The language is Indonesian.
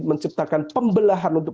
menciptakan pembelahan untuk